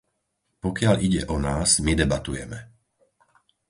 Pokiaľ ide o nás, my debatujeme.